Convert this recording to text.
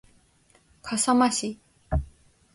笠間市